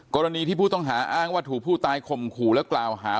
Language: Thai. กรณีที่ผู้ต้องหาอ้างว่าถูกผู้ตายข่มขู่และกล่าวหา